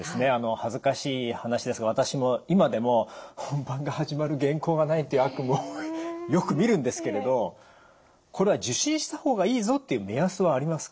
恥ずかしい話ですが私も今でも「本番が始まる原稿がない」っていう悪夢をよくみるんですけれどこれは受診した方がいいぞっていう目安はありますか？